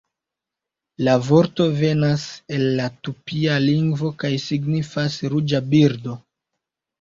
La vorto venas el la tupia lingvo kaj signifas "ruĝa birdo".